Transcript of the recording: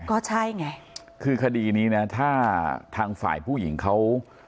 ก็ใช่ไงคือคดีนี้นะถ้าทางฝ่ายผู้หญิงเขา